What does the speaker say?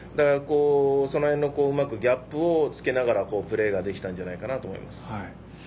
その辺のギャップをつけながらプレーできたんじゃないかなと思います。